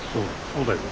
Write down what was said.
そうだよ。